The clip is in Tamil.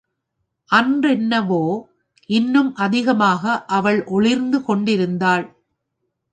அன்றென்னவோ, இன்னும் அதிகமாக அவள் ஒளிர்ந்து கொண்டிருந்தாள்.